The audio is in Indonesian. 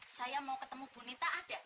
saya mau ketemu bu nita ada